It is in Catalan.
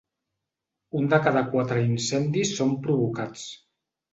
Un de cada quatre incendis són provocats.